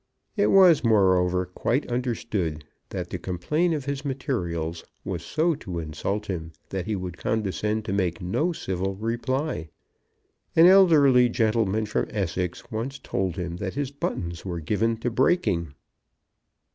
It was, moreover, quite understood that to complain of his materials was so to insult him that he would condescend to make no civil reply. An elderly gentleman from Essex once told him that his buttons were given to breaking.